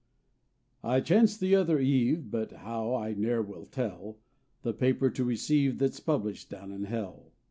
I chanced the other eve, But how I ne'er will tell, The paper to receive. That's published down in hell.